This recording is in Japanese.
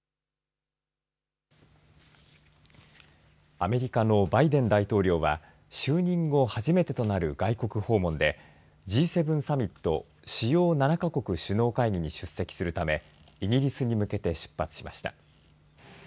アメリカのバイデン大統領は就任後、初めてとなる外国訪問でＧ７サミット主要７か国首脳会議に出席するためイギリスに向けて出発しました。